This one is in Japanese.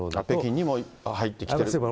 北京にも入ってきてる。